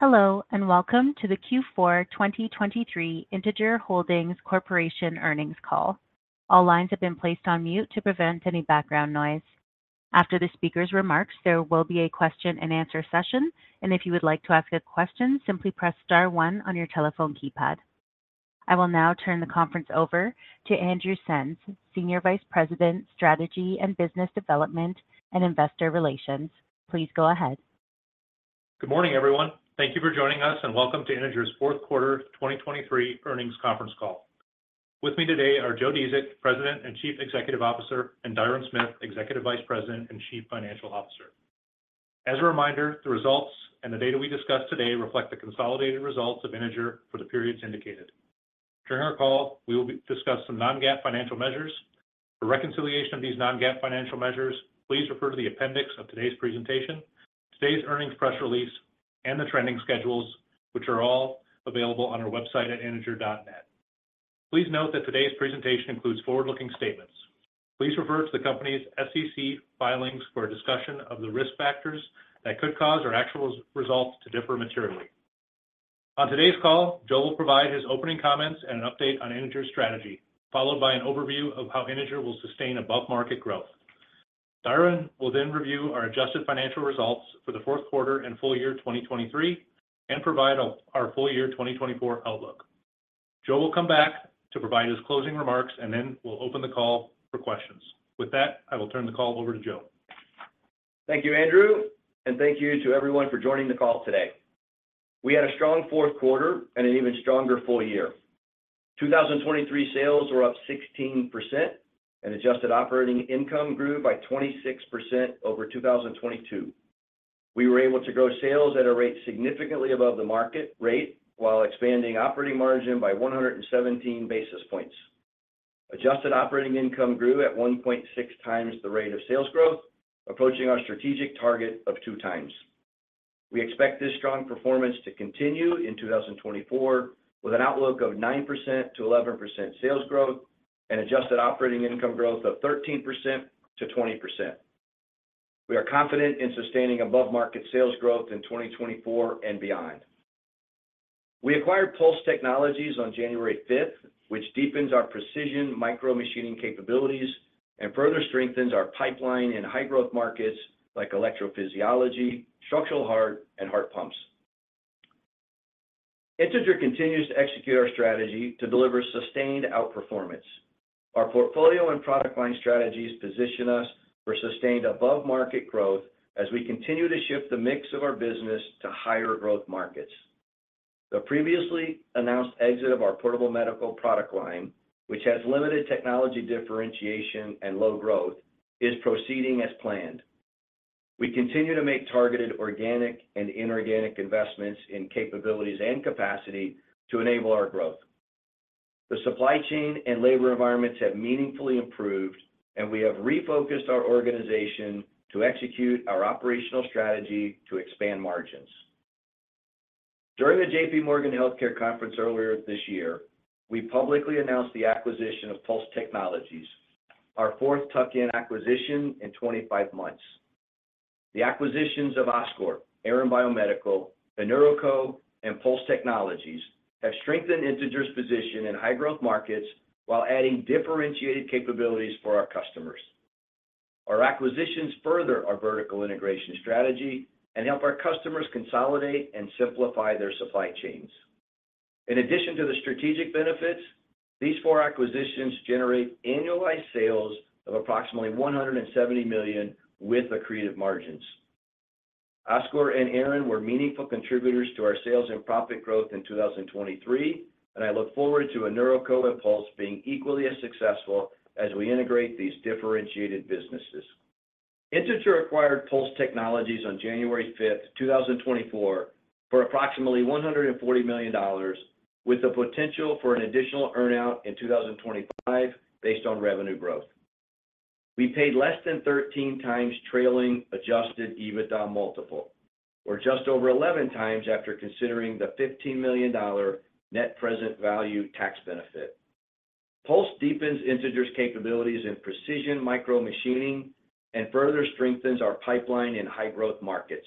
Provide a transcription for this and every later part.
Hello and welcome to the Q4 2023 Integer Holdings Corporation earnings call. All lines have been placed on mute to prevent any background noise. After the speaker's remarks, there will be a question-and-answer session, and if you would like to ask a question, simply press star 1 on your telephone keypad. I will now turn the conference over to Andrew Senn, Senior Vice President, Strategy, Business Development, and Investor Relations. Please go ahead. Good morning, everyone. Thank you for joining us, and welcome to Integer's fourth quarter 2023 earnings conference call. With me today are Joe Dziedzic, President and Chief Executive Officer; and Diron Smith, Executive Vice President and Chief Financial Officer. As a reminder, the results and the data we discuss today reflect the consolidated results of Integer for the periods indicated. During our call, we will discuss some non-GAAP financial measures. For reconciliation of these non-GAAP financial measures, please refer to the appendix of today's presentation, today's earnings press release, and the trending schedules, which are all available on our website at integer.net. Please note that today's presentation includes forward-looking statements. Please refer to the company's SEC filings for a discussion of the risk factors that could cause our actual results to differ materially. On today's call, Joe will provide his opening comments and an update on Integer's strategy, followed by an overview of how Integer will sustain above-market growth. Diron will then review our adjusted financial results for the fourth quarter and full year 2023 and provide our full year 2024 outlook. Joe will come back to provide his closing remarks, and then we'll open the call for questions. With that, I will turn the call over to Joe. Thank you, Andrew, and thank you to everyone for joining the call today. We had a strong fourth quarter and an even stronger full year. 2023 sales were up 16%, and adjusted operating income grew by 26% over 2022. We were able to grow sales at a rate significantly above the market rate while expanding operating margin by 117 basis points. Adjusted operating income grew at 1.6x the rate of sales growth, approaching our strategic target of 2x. We expect this strong performance to continue in 2024 with an outlook of 9%-11% sales growth and adjusted operating income growth of 13%-20%. We are confident in sustaining above-market sales growth in 2024 and beyond. We acquired Pulse Technologies on January 5th, which deepens our precision micro-machining capabilities and further strengthens our pipeline in high-growth markets like electrophysiology, structural heart, and heart pumps. Integer continues to execute our strategy to deliver sustained outperformance. Our portfolio and product line strategies position us for sustained above-market growth as we continue to shift the mix of our business to higher-growth markets. The previously announced exit of our portable medical product line, which has limited technology differentiation and low growth, is proceeding as planned. We continue to make targeted organic and inorganic investments in capabilities and capacity to enable our growth. The supply chain and labor environments have meaningfully improved, and we have refocused our organization to execute our operational strategy to expand margins. During the J.P. Morgan Healthcare Conference earlier this year, we publicly announced the acquisition of Pulse Technologies, our fourth tuck-in acquisition in 25 months. The acquisitions of Oscor, Aran Biomedical, InNeuroCo, and Pulse Technologies have strengthened Integer's position in high-growth markets while adding differentiated capabilities for our customers. Our acquisitions further our vertical integration strategy and help our customers consolidate and simplify their supply chains. In addition to the strategic benefits, these four acquisitions generate annualized sales of approximately $170 million with accretive margins. Oscor and Aran were meaningful contributors to our sales and profit growth in 2023, and I look forward to InNeuroCo and Pulse being equally as successful as we integrate these differentiated businesses. Integer acquired Pulse Technologies on January 5th, 2024, for approximately $140 million, with the potential for an additional earnout in 2025 based on revenue growth. We paid less than 13x trailing adjusted EBITDA multiple, or just over 11x after considering the $15 million net present value tax benefit. Pulse deepens Integer's capabilities in precision micro-machining and further strengthens our pipeline in high-growth markets.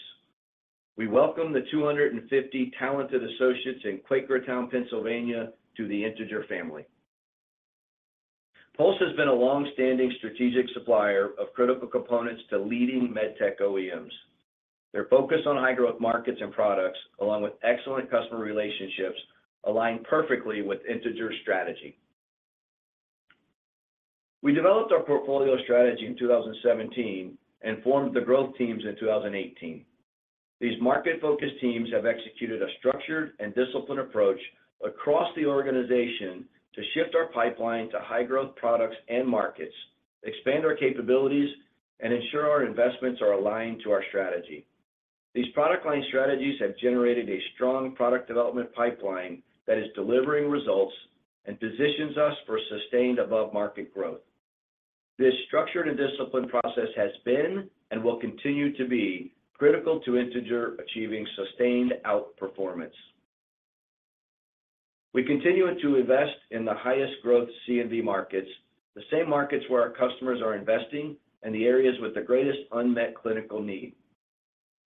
We welcome the 250 talented associates in Quakertown, Pennsylvania, to the Integer family. Pulse has been a longstanding strategic supplier of critical components to leading medtech OEMs. Their focus on high-growth markets and products, along with excellent customer relationships, align perfectly with Integer's strategy. We developed our portfolio strategy in 2017 and formed the growth teams in 2018. These market-focused teams have executed a structured and disciplined approach across the organization to shift our pipeline to high-growth products and markets, expand our capabilities, and ensure our investments are aligned to our strategy. These product line strategies have generated a strong product development pipeline that is delivering results and positions us for sustained above-market growth. This structured and disciplined process has been and will continue to be critical to Integer achieving sustained outperformance. We continue to invest in the highest-growth C&V markets, the same markets where our customers are investing, and the areas with the greatest unmet clinical need.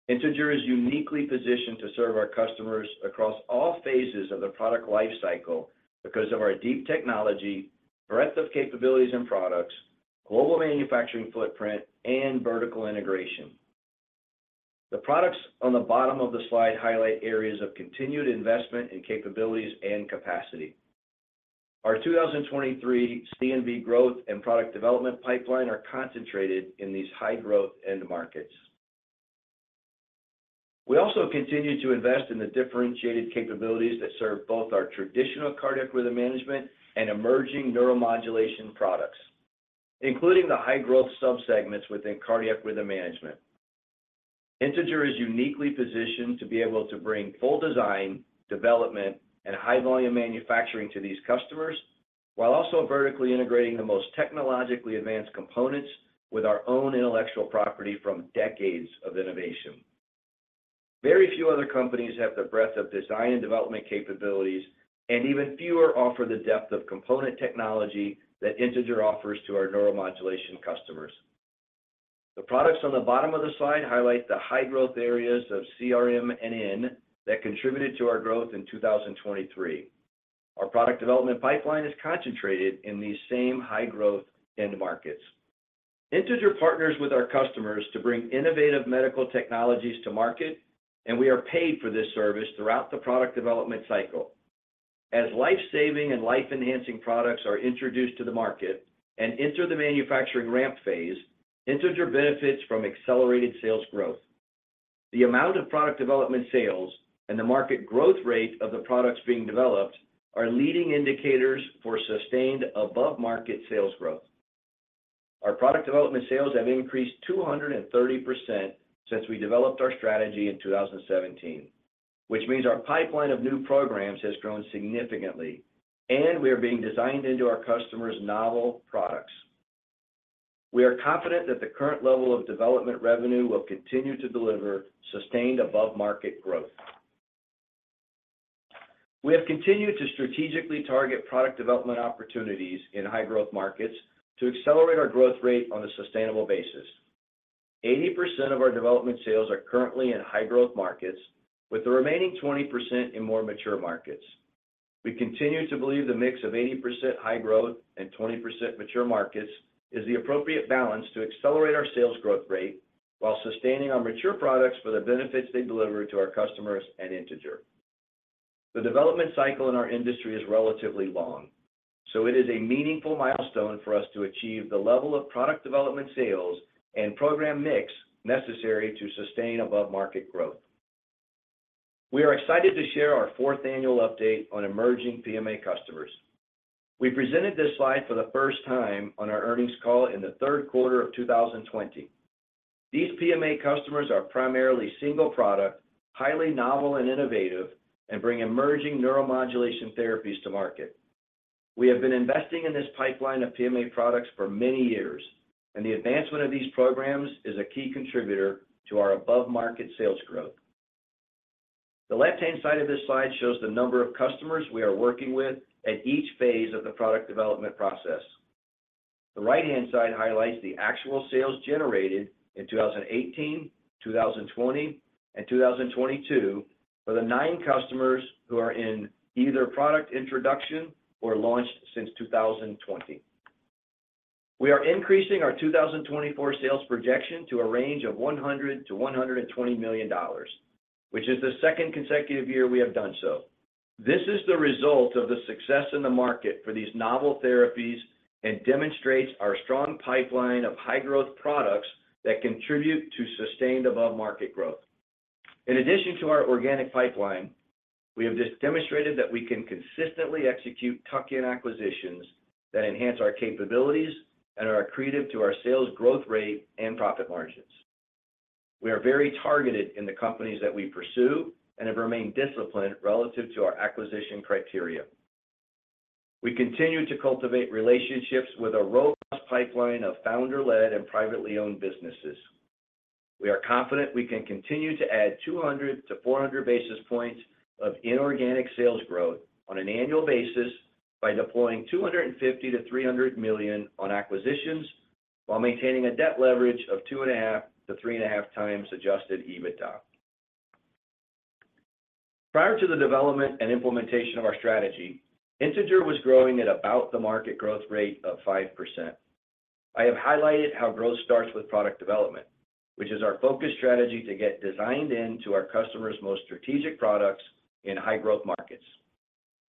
Integer is uniquely positioned to serve our customers across all phases of the product life cycle because of our deep technology, breadth of capabilities and products, global manufacturing footprint, and vertical integration. The products on the bottom of the slide highlight areas of continued investment in capabilities and capacity. Our 2023 C&V growth and product development pipeline are concentrated in these high-growth end markets. We also continue to invest in the differentiated capabilities that serve both our traditional cardiac rhythm management and emerging neuromodulation products, including the high-growth subsegments within cardiac rhythm management. Integer is uniquely positioned to be able to bring full design, development, and high-volume manufacturing to these customers while also vertically integrating the most technologically advanced components with our own intellectual property from decades of innovation. Very few other companies have the breadth of design and development capabilities, and even fewer offer the depth of component technology that Integer offers to our neuromodulation customers. The products on the bottom of the slide highlight the high-growth areas of CRM&N that contributed to our growth in 2023. Our product development pipeline is concentrated in these same high-growth end markets. Integer partners with our customers to bring innovative medical technologies to market, and we are paid for this service throughout the product development cycle. As life-saving and life-enhancing products are introduced to the market and enter the manufacturing ramp phase, Integer benefits from accelerated sales growth. The amount of product development sales and the market growth rate of the products being developed are leading indicators for sustained above-market sales growth. Our product development sales have increased 230% since we developed our strategy in 2017, which means our pipeline of new programs has grown significantly, and we are being designed into our customers' novel products. We are confident that the current level of development revenue will continue to deliver sustained above-market growth. We have continued to strategically target product development opportunities in high-growth markets to accelerate our growth rate on a sustainable basis. 80% of our development sales are currently in high-growth markets, with the remaining 20% in more mature markets. We continue to believe the mix of 80% high-growth and 20% mature markets is the appropriate balance to accelerate our sales growth rate while sustaining our mature products for the benefits they deliver to our customers and Integer. The development cycle in our industry is relatively long, so it is a meaningful milestone for us to achieve the level of product development sales and program mix necessary to sustain above-market growth. We are excited to share our fourth annual update on emerging PMA customers. We presented this slide for the first time on our earnings call in the third quarter of 2020. These PMA customers are primarily single product, highly novel and innovative, and bring emerging neuromodulation therapies to market. We have been investing in this pipeline of PMA products for many years, and the advancement of these programs is a key contributor to our above-market sales growth. The left-hand side of this slide shows the number of customers we are working with at each phase of the product development process. The right-hand side highlights the actual sales generated in 2018, 2020, and 2022 for the nine customers who are in either product introduction or launched since 2020. We are increasing our 2024 sales projection to a range of $100-$120 million, which is the second consecutive year we have done so. This is the result of the success in the market for these novel therapies and demonstrates our strong pipeline of high-growth products that contribute to sustained above-market growth. In addition to our organic pipeline, we have demonstrated that we can consistently execute tuck-in acquisitions that enhance our capabilities and are accretive to our sales growth rate and profit margins. We are very targeted in the companies that we pursue and have remained disciplined relative to our acquisition criteria. We continue to cultivate relationships with a robust pipeline of founder-led and privately owned businesses. We are confident we can continue to add 200 to 400 basis points of inorganic sales growth on an annual basis by deploying $250-$300 million on acquisitions while maintaining a debt leverage of 2.5 to 3.5x adjusted EBITDA. Prior to the development and implementation of our strategy, Integer was growing at about the market growth rate of 5%. I have highlighted how growth starts with product development, which is our focus strategy to get designed into our customers' most strategic products in high-growth markets,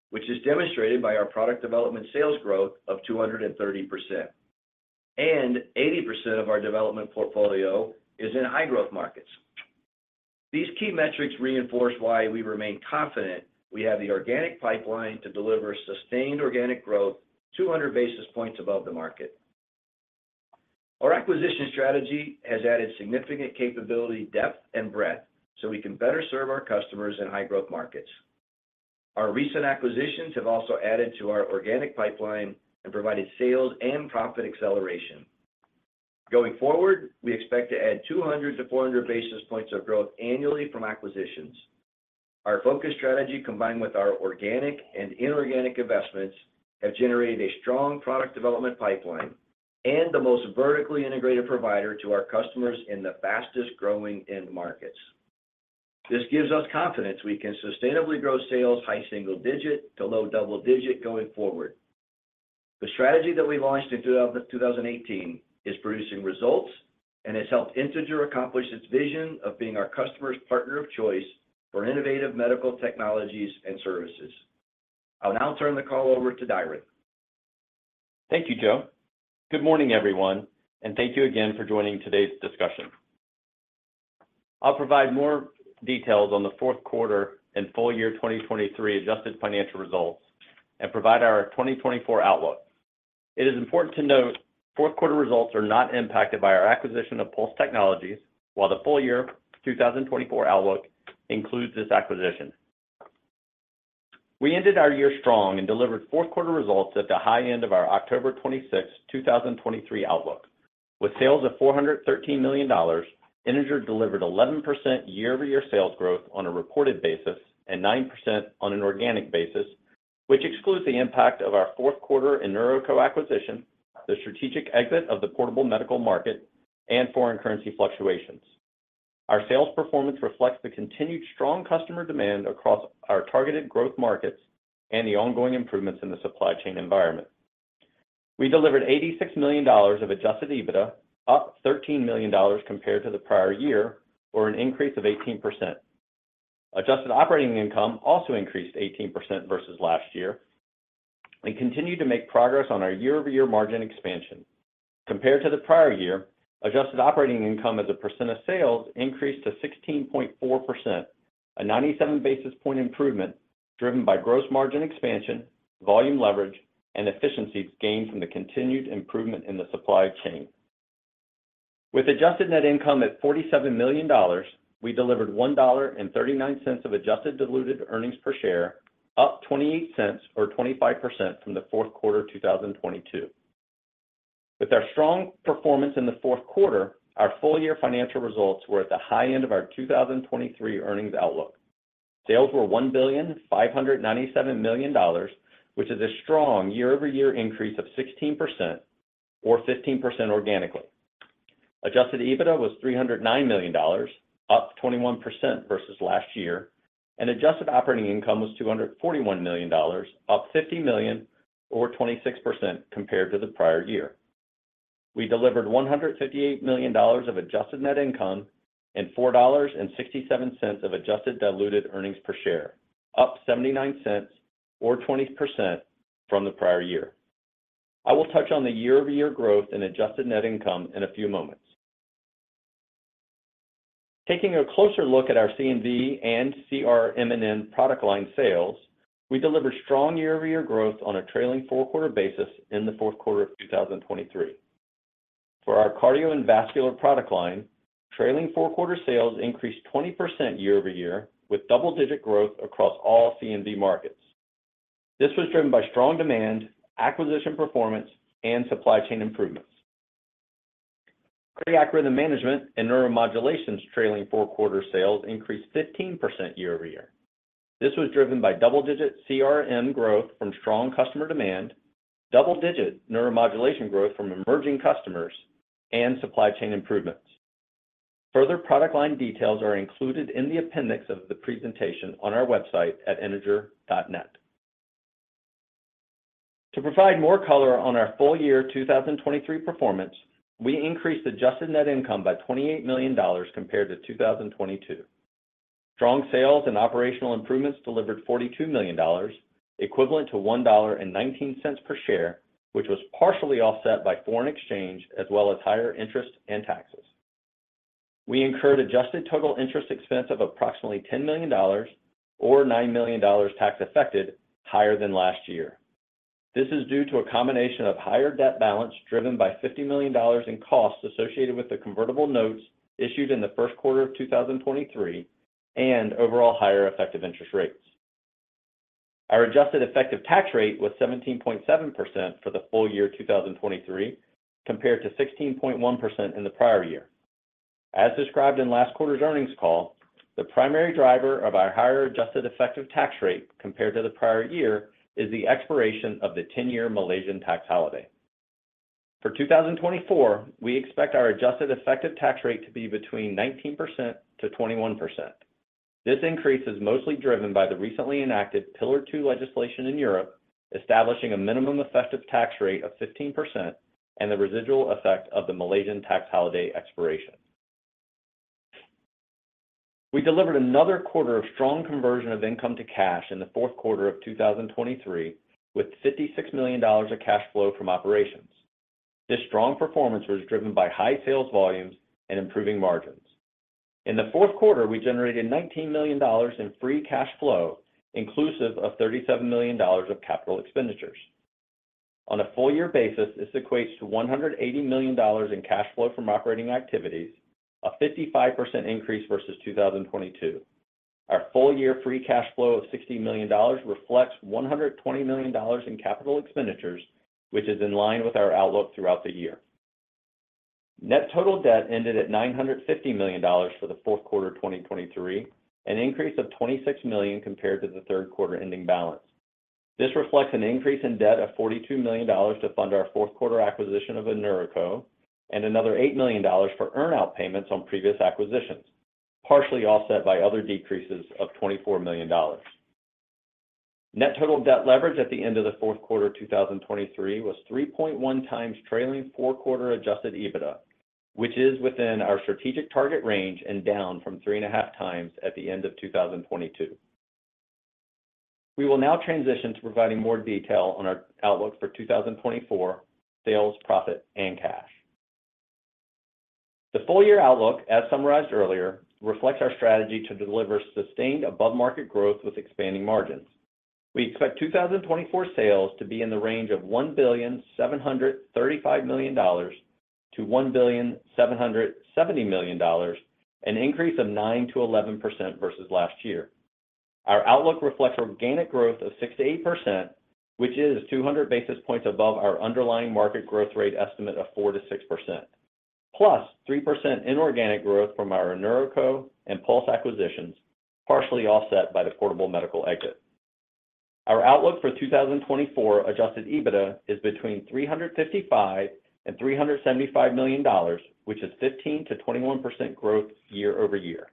which is demonstrated by our product development sales growth of 230%, and 80% of our development portfolio is in high-growth markets. These key metrics reinforce why we remain confident we have the organic pipeline to deliver sustained organic growth 200 basis points above the market. Our acquisition strategy has added significant capability depth and breadth so we can better serve our customers in high-growth markets. Our recent acquisitions have also added to our organic pipeline and provided sales and profit acceleration. Going forward, we expect to add 200-400 basis points of growth annually from acquisitions. Our focus strategy, combined with our organic and inorganic investments, have generated a strong product development pipeline and the most vertically integrated provider to our customers in the fastest-growing end markets. This gives us confidence we can sustainably grow sales high single-digit to low double-digit going forward. The strategy that we launched in 2018 is producing results, and it's helped Integer accomplish its vision of being our customer's partner of choice for innovative medical technologies and services. I'll now turn the call over to Diron. Thank you, Joe. Good morning, everyone, and thank you again for joining today's discussion. I'll provide more details on the fourth quarter and full year 2023 adjusted financial results and provide our 2024 outlook. It is important to note, fourth quarter results are not impacted by our acquisition of Pulse Technologies, while the full year 2024 outlook includes this acquisition. We ended our year strong and delivered fourth quarter results at the high end of our October 26th, 2023 outlook. With sales of $413 million, Integer delivered 11% year-over-year sales growth on a reported basis and 9% on an organic basis, which excludes the impact of our fourth quarter InNeuroCo acquisition, the strategic exit of the portable medical market, and foreign currency fluctuations. Our sales performance reflects the continued strong customer demand across our targeted growth markets and the ongoing improvements in the supply chain environment. We delivered $86 million of adjusted EBITDA, up $13 million compared to the prior year, or an increase of 18%. Adjusted operating income also increased 18% versus last year and continued to make progress on our year-over-year margin expansion. Compared to the prior year, adjusted operating income as a percent of sales increased to 16.4%, a 97 basis point improvement driven by gross margin expansion, volume leverage, and efficiencies gained from the continued improvement in the supply chain. With adjusted net income at $47 million, we delivered $1.39 of adjusted diluted earnings per share, up $0.28 or 25% from the fourth quarter 2022. With our strong performance in the fourth quarter, our full year financial results were at the high end of our 2023 earnings outlook. Sales were $1,597 million, which is a strong year-over-year increase of 16% or 15% organically. Adjusted EBITDA was $309 million, up 21% versus last year, and adjusted operating income was $241 million, up $50 million or 26% compared to the prior year. We delivered $158 million of adjusted net income and $4.67 of adjusted diluted earnings per share, up $0.79 or 20% from the prior year. I will touch on the year-over-year growth in adjusted net income in a few moments. Taking a closer look at our C&V and CRM&N product line sales, we delivered strong year-over-year growth on a trailing four-quarter basis in the fourth quarter of 2023. For our cardio and vascular product line, trailing four-quarter sales increased 20% year-over-year with double-digit growth across all C&V markets. This was driven by strong demand, acquisition performance, and supply chain improvements. Cardiac rhythm management and neuromodulation's trailing four-quarter sales increased 15% year-over-year. This was driven by double-digit CRM growth from strong customer demand, double-digit neuromodulation growth from emerging customers, and supply chain improvements. Further product line details are included in the appendix of the presentation on our website at integer.net. To provide more color on our full year 2023 performance, we increased adjusted net income by $28 million compared to 2022. Strong sales and operational improvements delivered $42 million, equivalent to $1.19 per share, which was partially offset by foreign exchange as well as higher interest and taxes. We incurred adjusted total interest expense of approximately $10 million or $9 million tax affected higher than last year. This is due to a combination of higher debt balance driven by $50 million in costs associated with the convertible notes issued in the first quarter of 2023 and overall higher effective interest rates. Our adjusted effective tax rate was 17.7% for the full year 2023 compared to 16.1% in the prior year. As described in last quarter's earnings call, the primary driver of our higher adjusted effective tax rate compared to the prior year is the expiration of the 10-year Malaysian tax holiday. For 2024, we expect our adjusted effective tax rate to be between 19%-21%. This increase is mostly driven by the recently enacted Pillar 2 legislation in Europe, establishing a minimum effective tax rate of 15% and the residual effect of the Malaysian tax holiday expiration. We delivered another quarter of strong conversion of income to cash in the fourth quarter of 2023 with $56 million of cash flow from operations. This strong performance was driven by high sales volumes and improving margins. In the fourth quarter, we generated $19 million in free cash flow, inclusive of $37 million of capital expenditures. On a full year basis, this equates to $180 million in cash flow from operating activities, a 55% increase versus 2022. Our full year free cash flow of $60 million reflects $120 million in capital expenditures, which is in line with our outlook throughout the year. Net total debt ended at $950 million for the fourth quarter 2023, an increase of $26 million compared to the third quarter ending balance. This reflects an increase in debt of $42 million to fund our fourth quarter acquisition of InNeuroCo and another $8 million for earnout payments on previous acquisitions, partially offset by other decreases of $24 million. Net total debt leverage at the end of the fourth quarter 2023 was 3.1x trailing four-quarter adjusted EBITDA, which is within our strategic target range and down from 3.5x at the end of 2022. We will now transition to providing more detail on our outlook for 2024 sales, profit, and cash. The full year outlook, as summarized earlier, reflects our strategy to deliver sustained above-market growth with expanding margins. We expect 2024 sales to be in the range of $1,735 million-$1,770 million, an increase of 9%-11% versus last year. Our outlook reflects organic growth of 6%-8%, which is 200 basis points above our underlying market growth rate estimate of 4%-6%, plus 3% inorganic growth from our InNeuroCo and Pulse acquisitions, partially offset by the portable medical exit. Our outlook for 2024 Adjusted EBITDA is between $355-$375 million, which is 15%-21% growth year-over-year.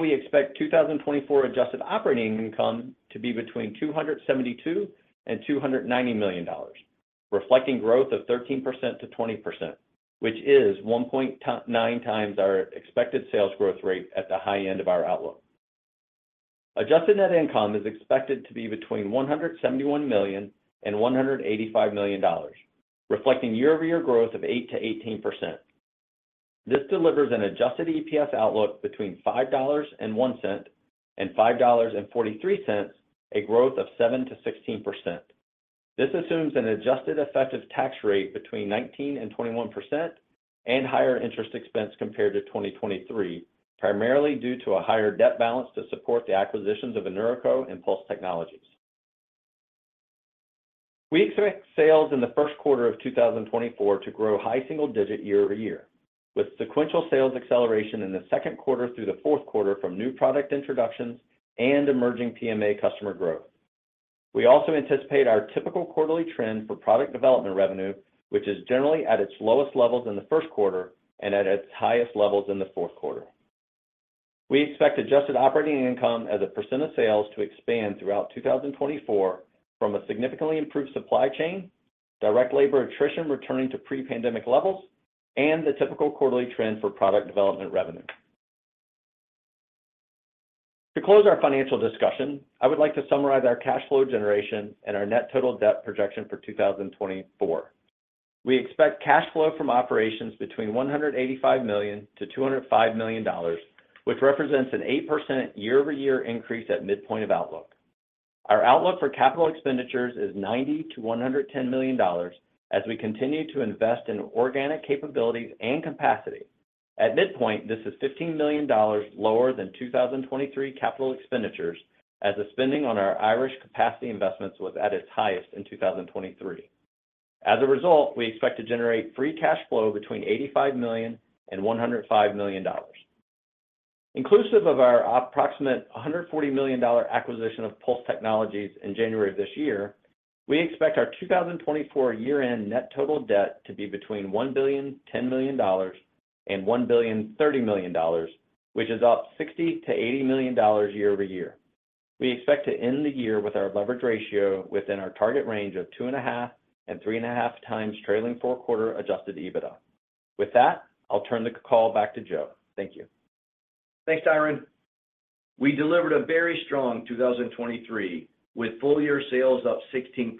We expect 2024 Adjusted Operating Income to be between $272-$290 million, reflecting growth of 13%-20%, which is 1.9x our expected sales growth rate at the high end of our outlook. Adjusted net income is expected to be between $171-$185 million, reflecting year-over-year growth of 8%-18%. This delivers an Adjusted EPS outlook between $5.01-$5.43, a growth of 7%-16%. This assumes an adjusted effective tax rate between 19%-21% and higher interest expense compared to 2023, primarily due to a higher debt balance to support the acquisitions of InNeuroCo and Pulse Technologies. We expect sales in the first quarter of 2024 to grow high single-digit year-over-year, with sequential sales acceleration in the second quarter through the fourth quarter from new product introductions and emerging PMA customer growth. We also anticipate our typical quarterly trend for product development revenue, which is generally at its lowest levels in the first quarter and at its highest levels in the fourth quarter. We expect Adjusted Operating Income as a percent of sales to expand throughout 2024 from a significantly improved supply chain, direct labor attrition returning to pre-pandemic levels, and the typical quarterly trend for product development revenue. To close our financial discussion, I would like to summarize our cash flow generation and our net total debt projection for 2024. We expect cash flow from operations between $185 million-$205 million, which represents an 8% year-over-year increase at midpoint of outlook. Our outlook for capital expenditures is $90-$110 million as we continue to invest in organic capabilities and capacity. At midpoint, this is $15 million lower than 2023 capital expenditures as the spending on our Irish capacity investments was at its highest in 2023. As a result, we expect to generate free cash flow between $85 million and $105 million. Inclusive of our approximate $140 million acquisition of Pulse Technologies in January of this year, we expect our 2024 year-end net total debt to be between $1.01 billion and $1.03 billion, which is up $60-$80 million year-over-year. We expect to end the year with our leverage ratio within our target range of 2.5x-3.5x trailing four-quarter Adjusted EBITDA. With that, I'll turn the call back to Joe. Thank you. Thanks, Diron. We delivered a very strong 2023 with full year sales up 16%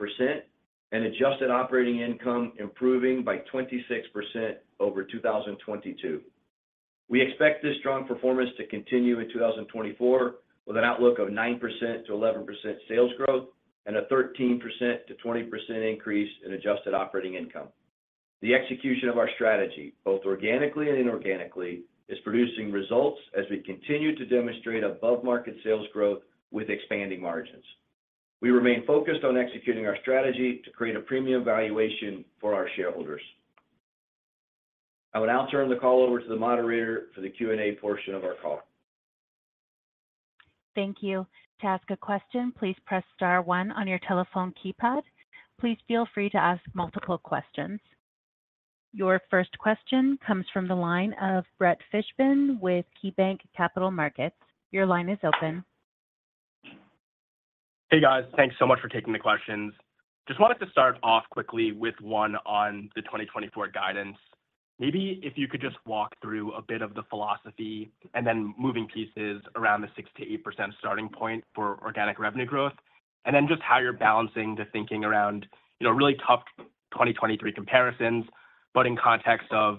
and adjusted operating income improving by 26% over 2022. We expect this strong performance to continue in 2024 with an outlook of 9%-11% sales growth and a 13%-20% increase in adjusted operating income. The execution of our strategy, both organically and inorganically, is producing results as we continue to demonstrate above-market sales growth with expanding margins. We remain focused on executing our strategy to create a premium valuation for our shareholders. I will now turn the call over to the moderator for the Q&A portion of our call. Thank you. To ask a question, please press star one on your telephone keypad. Please feel free to ask multiple questions. Your first question comes from the line of Brett Fishman with KeyBanc Capital Markets. Your line is open. Hey, guys. Thanks so much for taking the questions. Just wanted to start off quickly with one on the 2024 guidance. Maybe if you could just walk through a bit of the philosophy and then moving pieces around the 6%-8% starting point for organic revenue growth, and then just how you're balancing the thinking around really tough 2023 comparisons, but in context of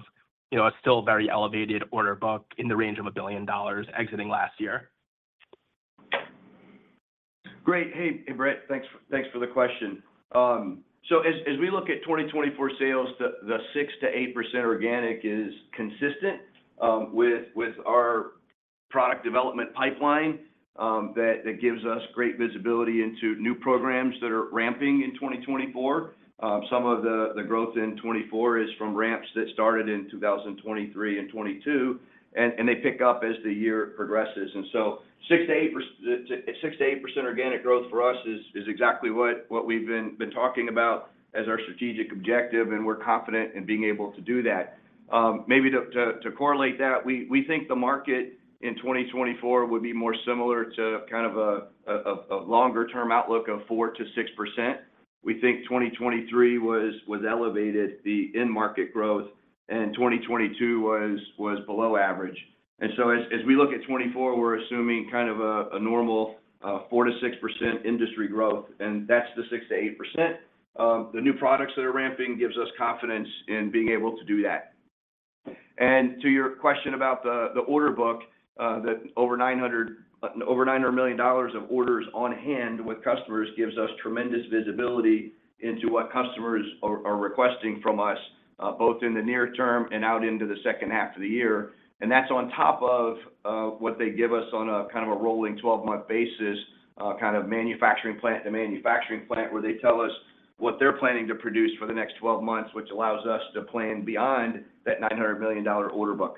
a still very elevated order book in the range of $1 billion exiting last year. Great. Hey, Brett, thanks for the question. So as we look at 2024 sales, the 6%-8% organic is consistent with our product development pipeline that gives us great visibility into new programs that are ramping in 2024. Some of the growth in 2024 is from ramps that started in 2023 and 2022, and they pick up as the year progresses. And so 6%-8% organic growth for us is exactly what we've been talking about as our strategic objective, and we're confident in being able to do that. Maybe to correlate that, we think the market in 2024 would be more similar to kind of a longer-term outlook of 4%-6%. We think 2023 was elevated, the in-market growth, and 2022 was below average. And so as we look at 2024, we're assuming kind of a normal 4%-6% industry growth, and that's the 6%-8%. The new products that are ramping gives us confidence in being able to do that. And to your question about the order book, over $900 million of orders on hand with customers gives us tremendous visibility into what customers are requesting from us, both in the near term and out into the second half of the year. And that's on top of what they give us on a kind of a rolling 12-month basis, kind of manufacturing plant to manufacturing plant, where they tell us what they're planning to produce for the next 12 months, which allows us to plan beyond that $900 million order book.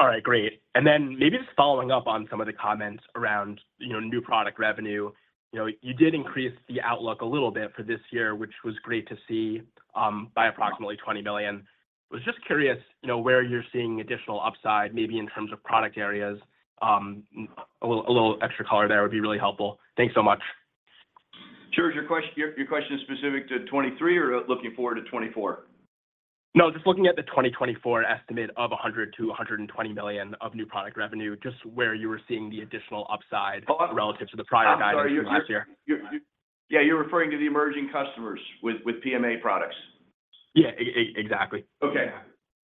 All right. Great. And then maybe just following up on some of the comments around new product revenue, you did increase the outlook a little bit for this year, which was great to see by approximately $20 million. I was just curious where you're seeing additional upside, maybe in terms of product areas. A little extra color there would be really helpful. Thanks so much. Sure. Is your question specific to 2023 or looking forward to 2024? No, just looking at the 2024 estimate of $100 million-$120 million of new product revenue, just where you were seeing the additional upside relative to the prior guidance last year. Yeah. You're referring to the emerging customers with PMA products? Yeah. Exactly. Okay.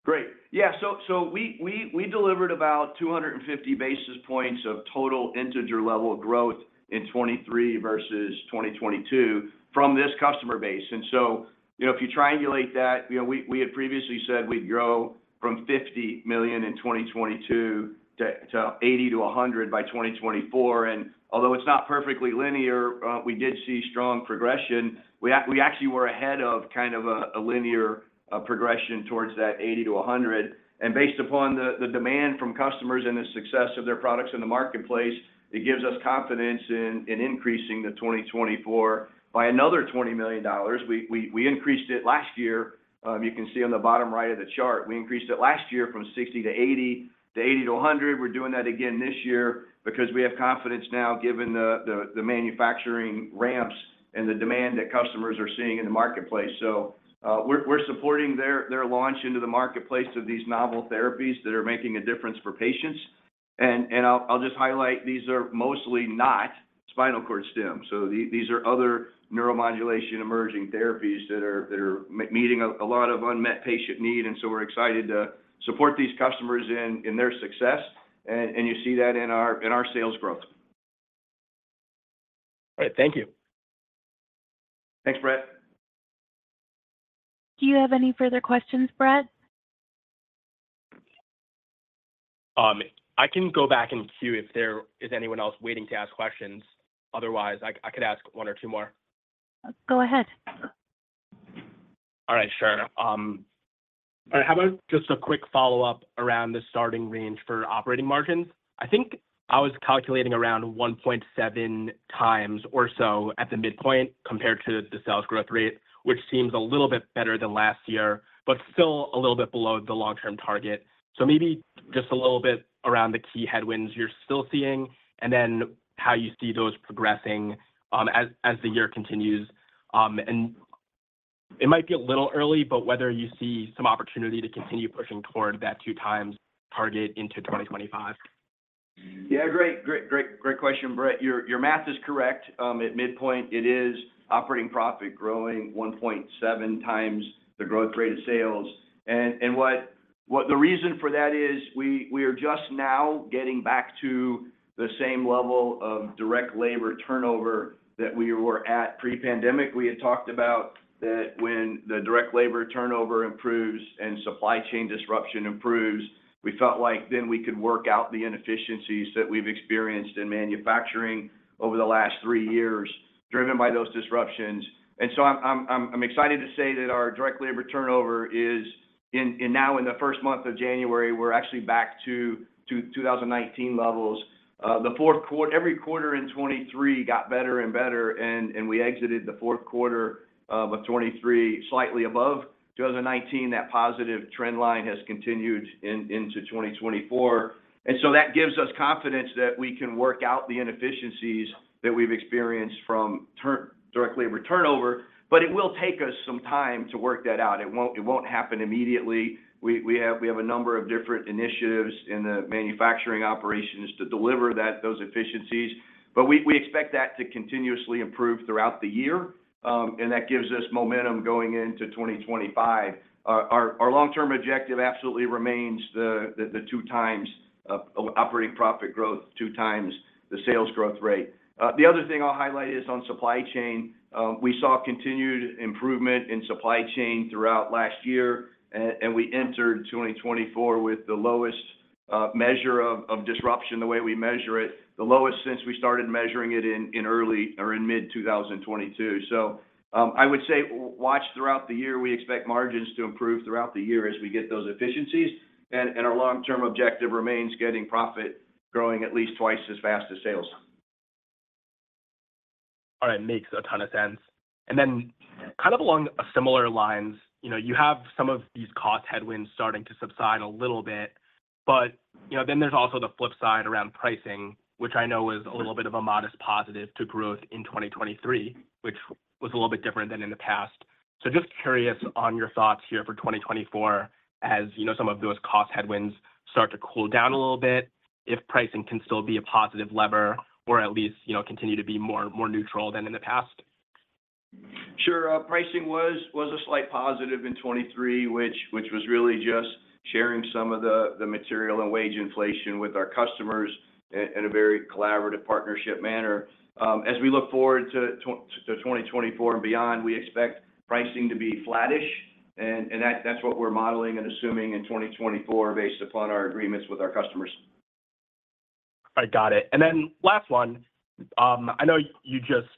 Great. Yeah. So we delivered about 250 basis points of total Integer-level growth in 2023 versus 2022 from this customer base. And so if you triangulate that, we had previously said we'd grow from $50 million in 2022 to $80 million-$100 million by 2024. And although it's not perfectly linear, we did see strong progression. We actually were ahead of kind of a linear progression towards that $80 million-$100 million. Based upon the demand from customers and the success of their products in the marketplace, it gives us confidence in increasing the 2024 by another $20 million. We increased it last year. You can see on the bottom right of the chart, we increased it last year from 60 to 80 to 80 to 100. We're doing that again this year because we have confidence now given the manufacturing ramps and the demand that customers are seeing in the marketplace. So we're supporting their launch into the marketplace of these novel therapies that are making a difference for patients. And I'll just highlight, these are mostly not spinal cord stim. So these are other neuromodulation emerging therapies that are meeting a lot of unmet patient need. And so we're excited to support these customers in their success. And you see that in our sales growth. All right. Thank you. Thanks, Brett. Do you have any further questions, Brett? I can go back and queue if there is anyone else waiting to ask questions. Otherwise, I could ask one or two more. Go ahead. All right. Sure. All right. How about just a quick follow-up around the starting range for operating margins? I think I was calculating around 1.7x or so at the midpoint compared to the sales growth rate, which seems a little bit better than last year, but still a little bit below the long-term target. So maybe just a little bit around the key headwinds you're still seeing and then how you see those progressing as the year continues. And it might be a little early, but whether you see some opportunity to continue pushing toward that 2x target into 2025. Yeah. Great. Great. Great question, Brett. Your math is correct. At midpoint, it is operating profit growing 1.7x the growth rate of sales. The reason for that is we are just now getting back to the same level of direct labor turnover that we were at pre-pandemic. We had talked about that when the direct labor turnover improves and supply chain disruption improves, we felt like then we could work out the inefficiencies that we've experienced in manufacturing over the last three years driven by those disruptions. So I'm excited to say that our direct labor turnover is now in the first month of January, we're actually back to 2019 levels. Every quarter in 2023 got better and better, and we exited the fourth quarter of 2023 slightly above 2019. That positive trend line has continued into 2024. So that gives us confidence that we can work out the inefficiencies that we've experienced from direct labor turnover. It will take us some time to work that out. It won't happen immediately. We have a number of different initiatives in the manufacturing operations to deliver those efficiencies. We expect that to continuously improve throughout the year, and that gives us momentum going into 2025. Our long-term objective absolutely remains the 2x operating profit growth, 2x the sales growth rate. The other thing I'll highlight is on supply chain. We saw continued improvement in supply chain throughout last year, and we entered 2024 with the lowest measure of disruption, the way we measure it, the lowest since we started measuring it in early or in mid-2022. I would say watch throughout the year. We expect margins to improve throughout the year as we get those efficiencies. Our long-term objective remains getting profit growing at least twice as fast as sales. All right. Makes a ton of sense. Then kind of along similar lines, you have some of these cost headwinds starting to subside a little bit. But then there's also the flip side around pricing, which I know was a little bit of a modest positive to growth in 2023, which was a little bit different than in the past. So just curious on your thoughts here for 2024 as some of those cost headwinds start to cool down a little bit, if pricing can still be a positive lever or at least continue to be more neutral than in the past. Sure. Pricing was a slight positive in 2023, which was really just sharing some of the material and wage inflation with our customers in a very collaborative partnership manner. As we look forward to 2024 and beyond, we expect pricing to be flattish, and that's what we're modeling and assuming in 2024 based upon our agreements with our customers. All right. Got it. And then last one, I know you just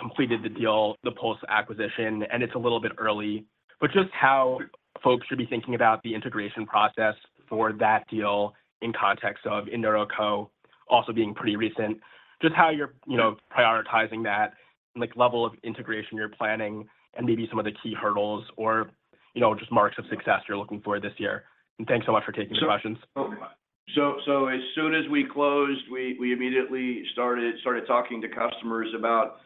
completed the deal, the Pulse acquisition, and it's a little bit early, but just how folks should be thinking about the integration process for that deal in context of InNeuroCo, also being pretty recent, just how you're prioritizing that level of integration you're planning and maybe some of the key hurdles or just marks of success you're looking for this year. And thanks so much for taking the questions. Sure. So as soon as we closed, we immediately started talking to customers about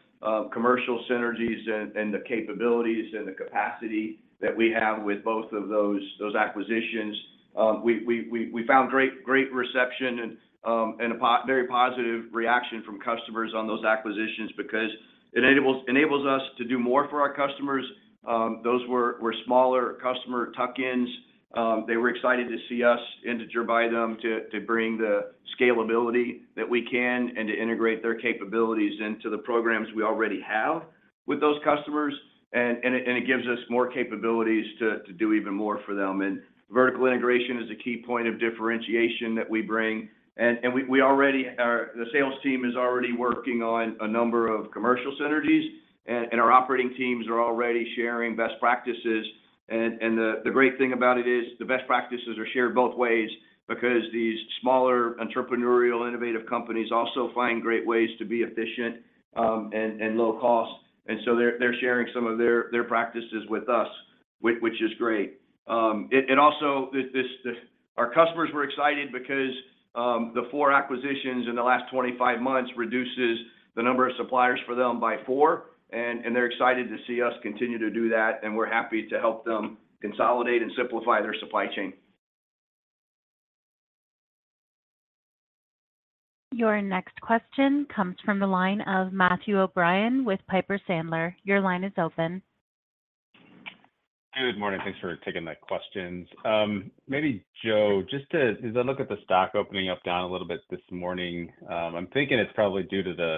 commercial synergies and the capabilities and the capacity that we have with both of those acquisitions. We found great reception and a very positive reaction from customers on those acquisitions because it enables us to do more for our customers. Those were smaller customer tuck-ins. They were excited to see us Integer buy them to bring the scalability that we can and to integrate their capabilities into the programs we already have with those customers. It gives us more capabilities to do even more for them. Vertical integration is a key point of differentiation that we bring. The sales team is already working on a number of commercial synergies, and our operating teams are already sharing best practices. The great thing about it is the best practices are shared both ways because these smaller entrepreneurial innovative companies also find great ways to be efficient and low cost. So they're sharing some of their practices with us, which is great. Our customers were excited because the four acquisitions in the last 25 months reduces the number of suppliers for them by four, and they're excited to see us continue to do that. We're happy to help them consolidate and simplify their supply chain. Your next question comes from the line of Matthew O'Brien with Piper Sandler. Your line is open. Good morning. Thanks for taking the questions. ``````Joe, just as I look at the stock opening up down a little bit this morning, I'm thinking it's probably due to the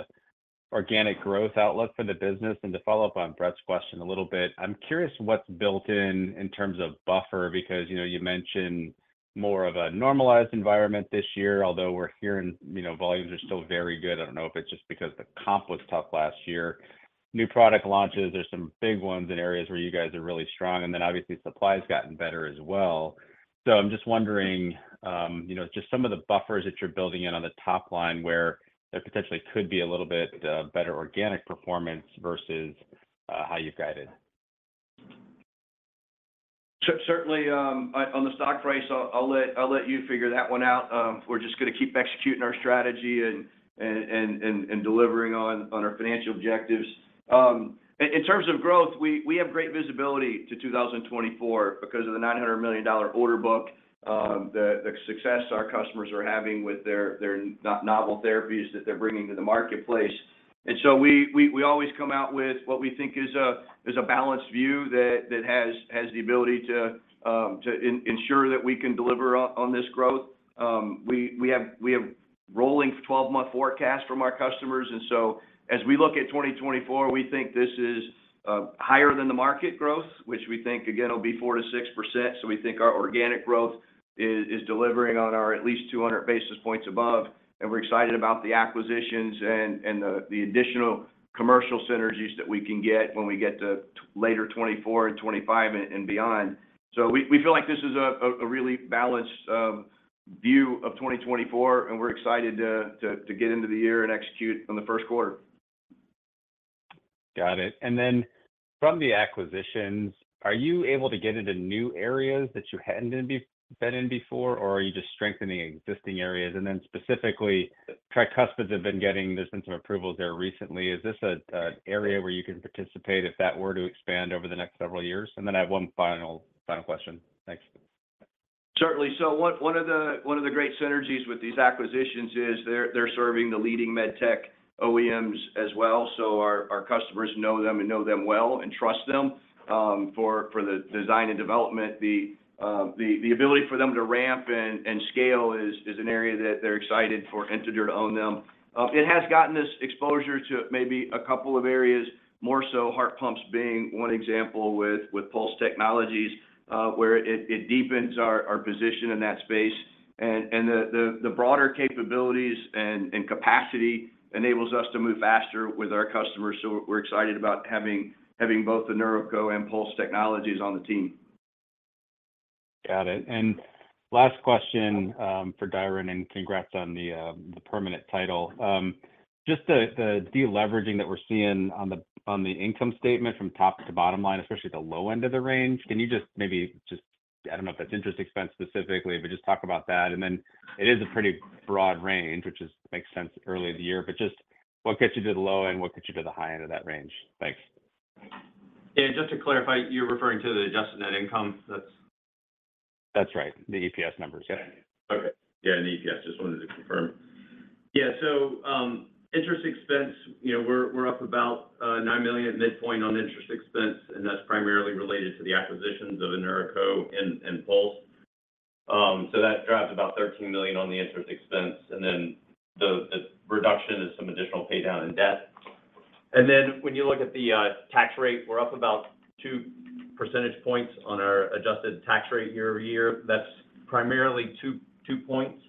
organic growth outlook for the business. To follow up on Brett's question a little bit, I'm curious what's built in terms of buffer because you mentioned more of a normalized environment this year, although we're here and volumes are still very good. I don't know if it's just because the comp was tough last year. New product launches, there's some big ones in areas where you guys are really strong. And then, obviously, supply's gotten better as well. So I'm just wondering just some of the buffers that you're building in on the top line where there potentially could be a little bit better organic performance versus how you've guided. Certainly. On the stock price, I'll let you figure that one out. We're just going to keep executing our strategy and delivering on our financial objectives. In terms of growth, we have great visibility to 2024 because of the $900 million order book, the success our customers are having with their novel therapies that they're bringing to the marketplace. And so we always come out with what we think is a balanced view that has the ability to ensure that we can deliver on this growth. We have rolling 12-month forecasts from our customers. And so as we look at 2024, we think this is higher than the market growth, which we think, again, will be 4%-6%. So we think our organic growth is delivering on our at least 200 basis points above. And we're excited about the acquisitions and the additional commercial synergies that we can get when we get to later 2024 and 2025 and beyond. So we feel like this is a really balanced view of 2024, and we're excited to get into the year and execute on the first quarter. Got it. And then from the acquisitions, are you able to get into new areas that you hadn't been in before, or are you just strengthening existing areas? And then specifically, tricuspids have been getting there's been some approvals there recently. Is this an area where you can participate if that were to expand over the next several years? And then I have one final question. Thanks. Certainly. So one of the great synergies with these acquisitions is they're serving the leading medtech OEMs as well. So our customers know them and know them well and trust them for the design and development. The ability for them to ramp and scale is an area that they're excited for Integer to own them. It has gotten us exposure to maybe a couple of areas more so, heart pumps being one example with Pulse Technologies, where it deepens our position in that space. And the broader capabilities and capacity enables us to move faster with our customers. So we're excited about having both InNeuroCo and Pulse Technologies on the team. Got it. And last question for Diron, and congrats on the permanent title. Just the deleveraging that we're seeing on the income statement from top to bottom line, especially the low end of the range, can you just maybe just I don't know if that's interest expense specifically, but just talk about that. And then it is a pretty broad range, which makes sense early in the year. But just what gets you to the low end? What gets you to the high end of that range? Thanks. Yeah. And just to clarify, you're referring to the adjusted net income? That's right. The EPS numbers. Yeah. Okay. Yeah. And the EPS. Just wanted to confirm. Yeah. So interest expense, we're up about $9 million at midpoint on interest expense, and that's primarily related to the acquisitions of InNeuroCo and Pulse. So that drives about $13 million on the interest expense. And then the reduction is some additional paydown in debt. And then when you look at the tax rate, we're up about two percentage points on our adjusted tax rate year-over-year. That's primarily two points.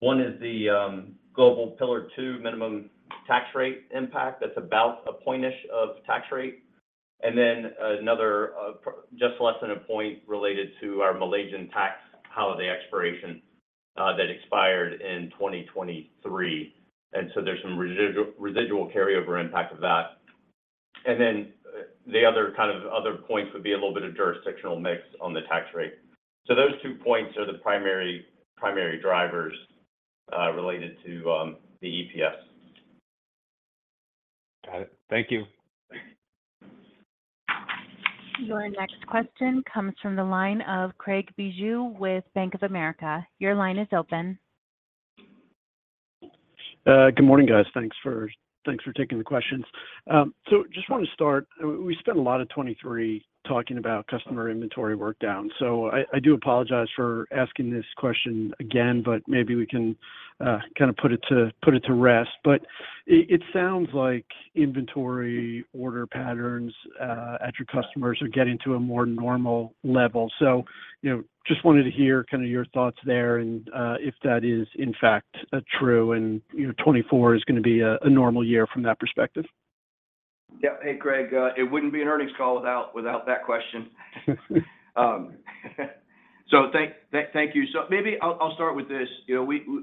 One is the global Pillar 2 minimum tax rate impact. That's about a point-ish of tax rate. And then another just less than a point related to our Malaysian tax holiday expiration that expired in 2023. And so there's some residual carryover impact of that. And then the other kind of other points would be a little bit of jurisdictional mix on the tax rate. So those two points are the primary drivers related to the EPS. Got it. Thank you. Your next question comes from the line of Craig Bijou with Bank of America. Your line is open. Good morning, guys. Thanks for taking the questions. So just want to start. We spent a lot of 2023 talking about customer inventory workdown. So I do apologize for asking this question again, but maybe we can kind of put it to rest. But it sounds like inventory order patterns at your customers are getting to a more normal level. So just wanted to hear kind of your thoughts there and if that is, in fact, true and 2024 is going to be a normal year from that perspective. Yep. Hey, Craig. It wouldn't be an earnings call without that question. So thank you. So maybe I'll start with this.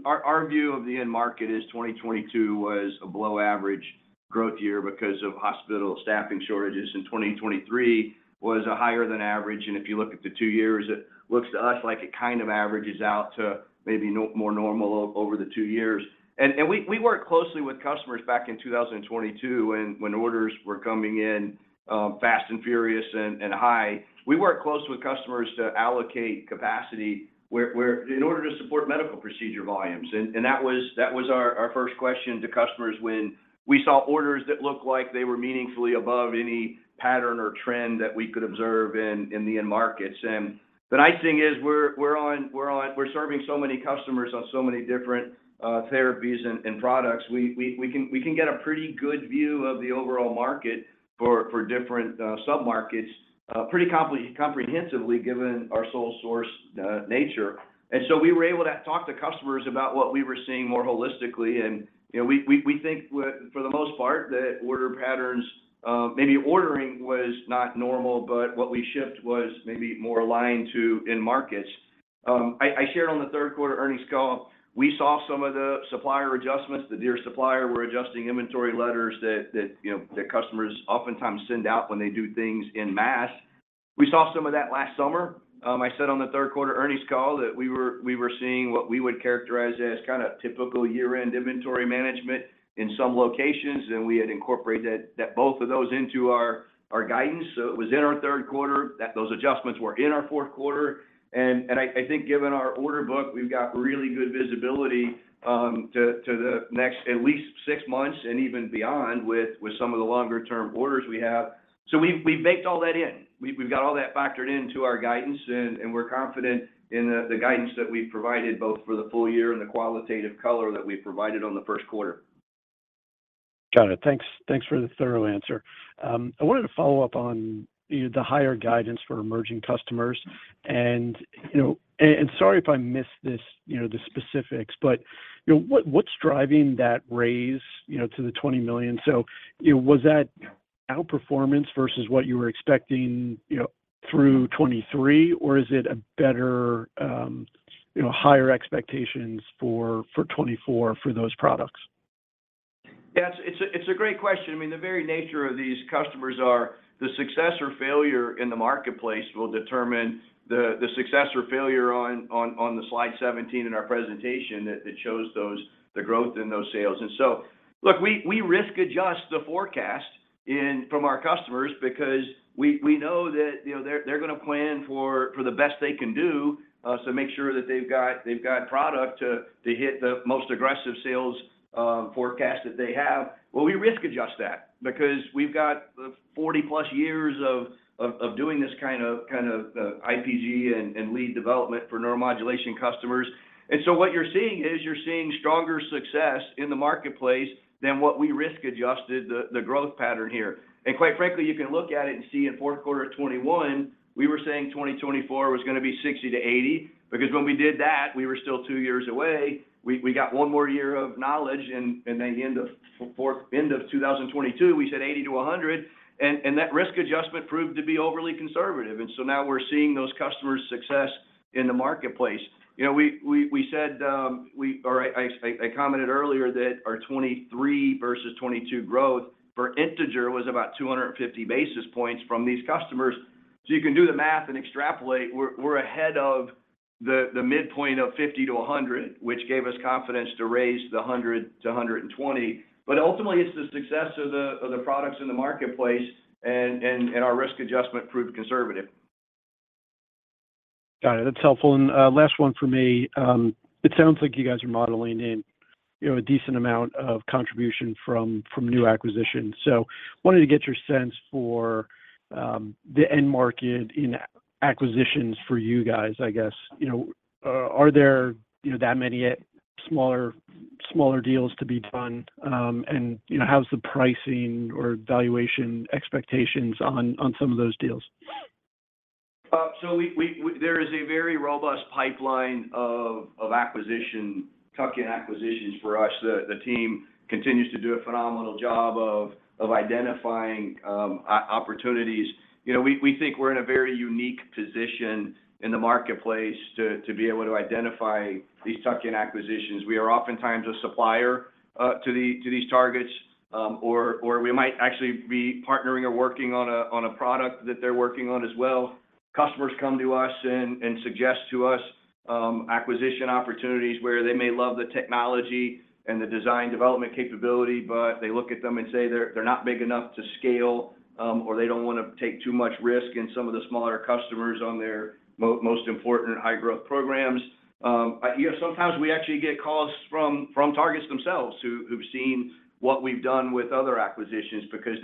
Our view of the end market is 2022 was a below-average growth year because of hospital staffing shortages. And 2023 was a higher-than-average. And if you look at the two years, it looks to us like it kind of averages out to maybe more normal over the two years. We worked closely with customers back in 2022 when orders were coming in fast and furious and high. We worked closely with customers to allocate capacity in order to support medical procedure volumes. That was our first question to customers when we saw orders that looked like they were meaningfully above any pattern or trend that we could observe in the end markets. The nice thing is we're serving so many customers on so many different therapies and products. We can get a pretty good view of the overall market for different submarkets pretty comprehensively given our sole source nature. So we were able to talk to customers about what we were seeing more holistically. We think, for the most part, that order patterns maybe ordering was not normal, but what we shipped was maybe more aligned to end markets. I shared on the third-quarter earnings call, we saw some of the supplier adjustments. The tier supplier were adjusting inventory letters that customers oftentimes send out when they do things en masse. We saw some of that last summer. I said on the third-quarter earnings call that we were seeing what we would characterize as kind of typical year-end inventory management in some locations. We had incorporated both of those into our guidance. It was in our third quarter that those adjustments were in our fourth quarter. I think given our order book, we've got really good visibility to the next at least 6 months and even beyond with some of the longer-term orders we have. We've baked all that in. We've got all that factored into our guidance, and we're confident in the guidance that we've provided both for the full year and the qualitative color that we've provided on the first quarter. Got it. Thanks for the thorough answer. I wanted to follow up on the higher guidance for emerging customers. Sorry if I missed the specifics, but what's driving that raise to the $20 million? Was that outperformance versus what you were expecting through 2023, or is it higher expectations for 2024 for those products? Yeah. It's a great question. I mean, the very nature of these customers are the success or failure in the marketplace will determine the success or failure on the slide 17 in our presentation that shows the growth in those sales. And so, look, we risk-adjust the forecast from our customers because we know that they're going to plan for the best they can do to make sure that they've got product to hit the most aggressive sales forecast that they have. Well, we risk-adjust that because we've got 40+ years of doing this kind of IPG and lead development for neuromodulation customers. And so what you're seeing is you're seeing stronger success in the marketplace than what we risk-adjusted the growth pattern here. And quite frankly, you can look at it and see in fourth quarter of 2021, we were saying 2024 was going to be 60-80 because when we did that, we were still two years away. We got one more year of knowledge. And then end of 2022, we said 80-100. And that risk adjustment proved to be overly conservative. And so now we're seeing those customers' success in the marketplace. We said or I commented earlier that our 2023 versus 2022 growth for Integer was about 250 basis points from these customers. So you can do the math and extrapolate. We're ahead of the midpoint of 50-100, which gave us confidence to raise the 100-120. But ultimately, it's the success of the products in the marketplace, and our risk adjustment proved conservative. Got it. That's helpful. And last one for me. It sounds like you guys are modeling in a decent amount of contribution from new acquisitions. So wanted to get your sense for the end market in acquisitions for you guys, I guess. Are there that many smaller deals to be done? And how's the pricing or valuation expectations on some of those deals? There is a very robust pipeline of tuck-in acquisitions for us. The team continues to do a phenomenal job of identifying opportunities. We think we're in a very unique position in the marketplace to be able to identify these tuck-in acquisitions. We are oftentimes a supplier to these targets, or we might actually be partnering or working on a product that they're working on as well. Customers come to us and suggest to us acquisition opportunities where they may love the technology and the design development capability, but they look at them and say they're not big enough to scale, or they don't want to take too much risk in some of the smaller customers on their most important high-growth programs. Sometimes we actually get calls from targets themselves who've seen what we've done with other acquisitions because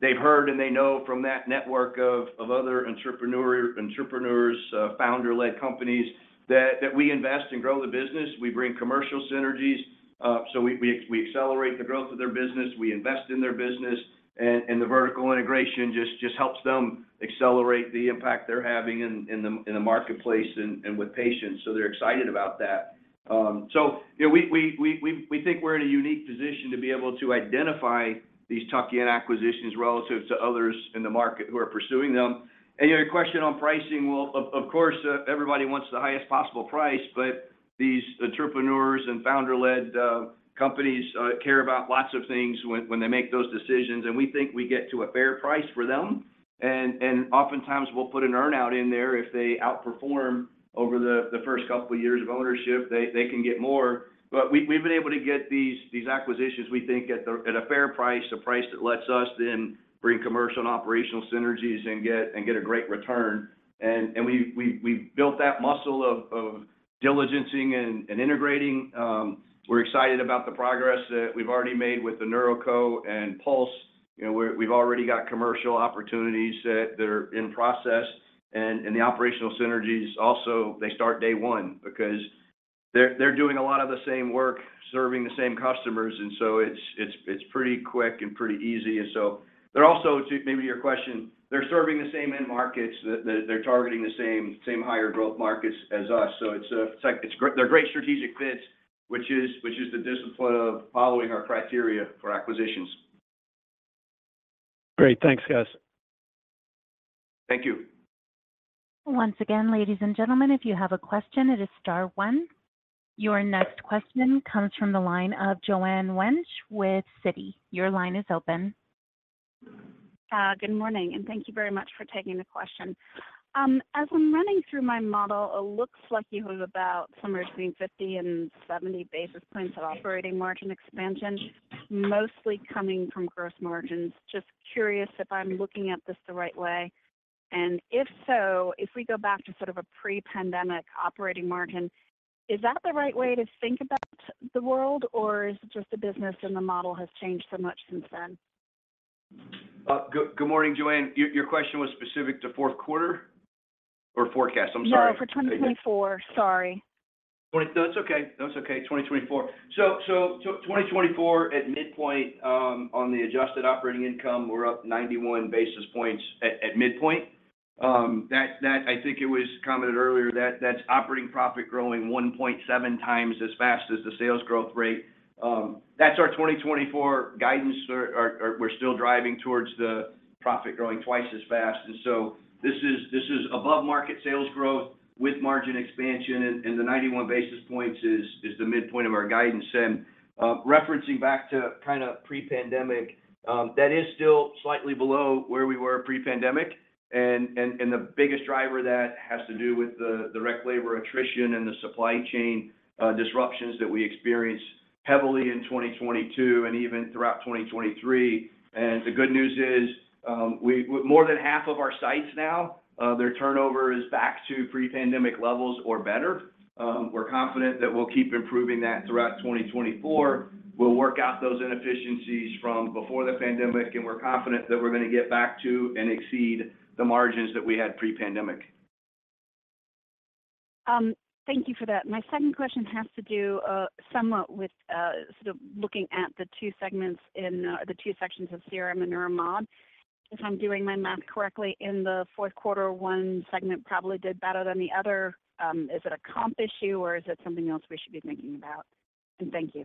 they've heard and they know from that network of other entrepreneurs, founder-led companies that we invest and grow the business. We bring commercial synergies. So we accelerate the growth of their business. We invest in their business. And the vertical integration just helps them accelerate the impact they're having in the marketplace and with patients. So they're excited about that. So we think we're in a unique position to be able to identify these tuck-in acquisitions relative to others in the market who are pursuing them. And your question on pricing, well, of course, everybody wants the highest possible price, but these entrepreneurs and founder-led companies care about lots of things when they make those decisions. And we think we get to a fair price for them. Oftentimes, we'll put an earnout in there if they outperform over the first couple of years of ownership. They can get more. But we've been able to get these acquisitions, we think, at a fair price, a price that lets us then bring commercial and operational synergies and get a great return. And we've built that muscle of diligencing and integrating. We're excited about the progress that we've already made with InNeuroCo and Pulse. We've already got commercial opportunities that are in process. And the operational synergies also, they start day one because they're doing a lot of the same work, serving the same customers. And so it's pretty quick and pretty easy. And so they're also to maybe your question, they're serving the same end markets. They're targeting the same higher-growth markets as us. So they're great strategic fits, which is the discipline of following our criteria for acquisitions. Great. Thanks, guys. Thank you. Once again, ladies and gentlemen, if you have a question, it is star one. Your next question comes from the line of Joanne Wuensch with Citi. Your line is open. Good morning. And thank you very much for taking the question. As I'm running through my model, it looks like you have about somewhere between 50 and 70 basis points of operating margin expansion, mostly coming from gross margins. Just curious if I'm looking at this the right way. And if so, if we go back to sort of a pre-pandemic operating margin, is that the right way to think about the world, or is it just a business and the model has changed so much since then? Good morning, Joanne. Your question was specific to fourth quarter or forecast. I'm sorry. No, for 2024. Sorry. That's okay. That's okay. 2024. So 2024 at midpoint on the Adjusted Operating Income, we're up 91 basis points at midpoint. I think it was commented earlier that that's operating profit growing 1.7x as fast as the sales growth rate. That's our 2024 guidance. We're still driving towards the profit growing twice as fast. And so this is above-market sales growth with margin expansion. And the 91 basis points is the midpoint of our guidance. And referencing back to kind of pre-pandemic, that is still slightly below where we were pre-pandemic. And the biggest driver that has to do with the direct labor attrition and the supply chain disruptions that we experienced heavily in 2022 and even throughout 2023. And the good news is more than half of our sites now, their turnover is back to pre-pandemic levels or better. We're confident that we'll keep improving that throughout 2024. We'll work out those inefficiencies from before the pandemic, and we're confident that we're going to get back to and exceed the margins that we had pre-pandemic. Thank you for that. My second question has to do somewhat with sort of looking at the two segments in or the two sections of CRM and Neuromod. If I'm doing my math correctly, in the fourth quarter, one segment probably did better than the other. Is it a comp issue, or is it something else we should be thinking about? And thank you.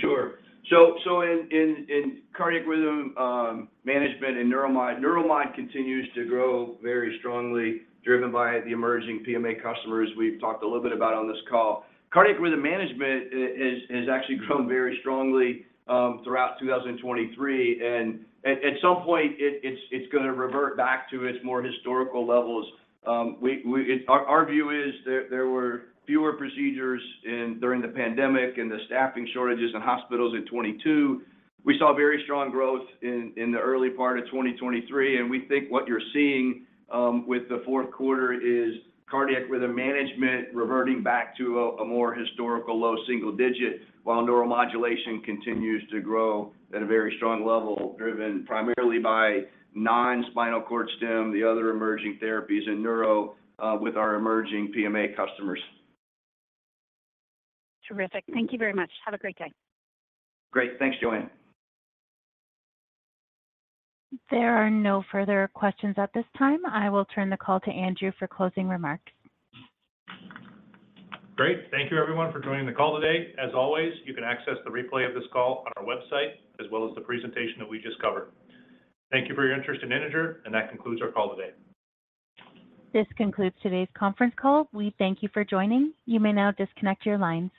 Sure. So in cardiac rhythm management and Neuromod, Neuromod continues to grow very strongly, driven by the emerging PMA customers we've talked a little bit about on this call. Cardiac rhythm management has actually grown very strongly throughout 2023. At some point, it's going to revert back to its more historical levels. Our view is there were fewer procedures during the pandemic and the staffing shortages in hospitals in 2022. We saw very strong growth in the early part of 2023. And we think what you're seeing with the fourth quarter is cardiac rhythm management reverting back to a more historical low single digit while neuromodulation continues to grow at a very strong level driven primarily by non-spinal cord stim, the other emerging therapies, and neuro with our emerging PMA customers. Terrific. Thank you very much. Have a great day. Great. Thanks, Joanne. There are no further questions at this time. I will turn the call to Andrew for closing remarks. Great. Thank you, everyone, for joining the call today. As always, you can access the replay of this call on our website as well as the presentation that we just covered. Thank you for your interest in Integer. That concludes our call today. This concludes today's conference call. We thank you for joining. You may now disconnect your lines.